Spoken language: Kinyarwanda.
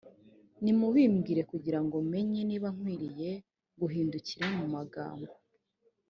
nimubimbwire kugira ngo menye niba nkwiriye guhindukira mu magambo.